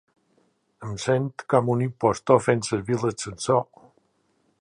Em sento com un impostor fent servir l'ascensor.